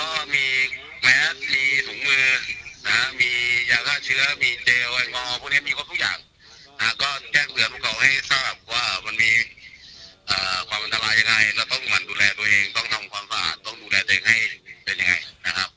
ก็มีแมสมีถุงมือนะฮะมียาฆ่าเชื้อมีเจลแองอพวกนี้มีครบทุกอย่างนะฮะก็แจ้งเตือนผู้กองให้ทราบว่ามันมีความอันตรายยังไงเราต้องหั่นดูแลตัวเองต้องทำความสะอาดต้องดูแลตัวเองให้เป็นยังไงนะครับ